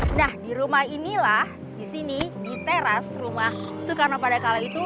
nah di rumah inilah di sini di teras rumah soekarno pada kala itu